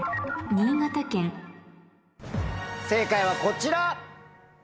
正解はこちら。